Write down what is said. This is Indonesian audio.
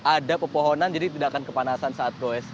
ada pepohonan jadi tidak akan kepanasan saat goes